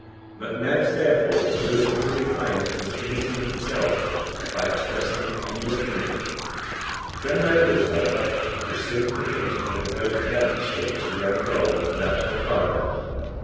McNabbs, therefore, prudently refrained from committing himself by expressing any opinion. John Mangles, however, was soon convinced when he heard Ayrton speak to the young girl about her father.